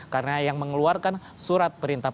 karena yang mengeluarkan surat perintahnya